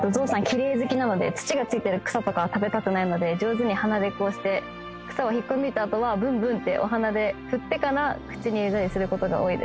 きれい好きなので土がついてる草とかは食べたくないので上手に鼻でこうして草を引っこ抜いたあとはブンブンってお鼻で振ってから口に入れたりすることが多いです